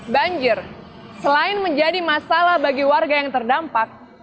banjir selain menjadi masalah bagi warga yang terdampak